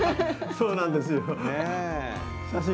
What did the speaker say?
そうなんですよ。